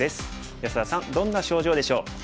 安田さんどんな症状でしょう？